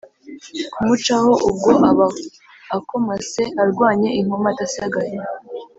kumucaho. Ubwo aba akomase (arwanye inkomati, asagaye).